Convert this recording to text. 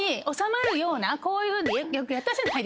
こういうふうによくやったじゃないですか。